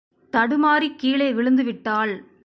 தடுமாறிக் கீழே விழுந்துவிட்டாள்.